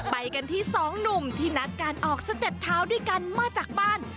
ไปกันที่สองหนุ่มที่นัดการออกสเต็ปเท้าด้วยกันมาจากบ้าน